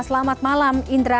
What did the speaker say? selamat malam indra